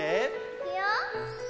いくよ！